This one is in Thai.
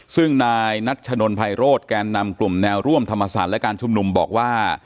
ซึ่งนายนัชนนภัยโรธแกนนำกลุ่มแนวร่วมธรรมศาสตร์และการชุมนุมบอกว่า